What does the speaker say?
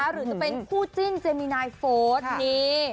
หรือจะเป็นคู่จิ้นเจมินายโฟสนี่